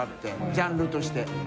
ジャンルとして。